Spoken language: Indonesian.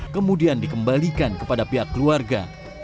kemudian dikembalikan kepada pihak keluarga